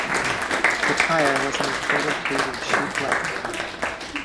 The tyre was an inflated tube of sheet rubber.